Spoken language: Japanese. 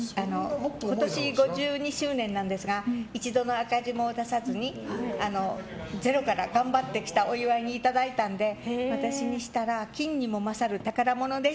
今年５２周年なんですが一度の赤字も出さずにゼロから頑張ってきたお祝いにいただいたので私にしたら金にも勝る宝物です。